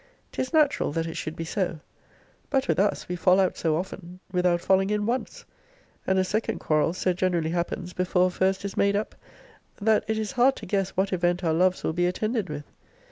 'Tis natural that it should be so. But with us, we fall out so often, without falling in once; and a second quarrel so generally happens before a first is made up; that it is hard to guess what event our loves will be attended with.